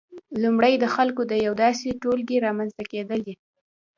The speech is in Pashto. لومړی د خلکو د یو داسې ټولګي رامنځته کېدل دي